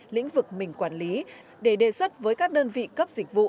lĩnh vực mình quản lý để đề xuất với các đơn vị cấp dịch vụ